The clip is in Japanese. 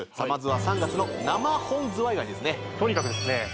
まずは３月の生本ズワイガニですねとにかくですね